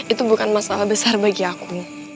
itu bukan masalah besar bagi aku